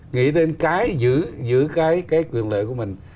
nghĩ đến cái giữ cái quyền lợi của mình